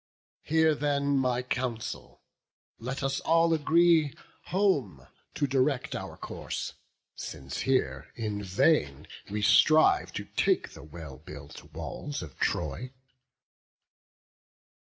Hear then my counsel; let us all agree Home to direct our course: since here in vain We strive to take the well built walls of Troy."